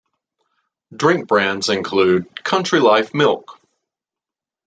Drink brands include "Country Life Milk".